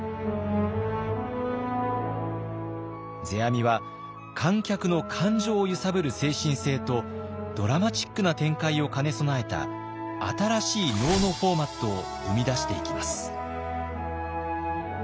世阿弥は観客の感情を揺さぶる精神性とドラマチックな展開を兼ね備えた新しい能のフォーマットを生み出していきます。